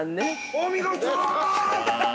お見事。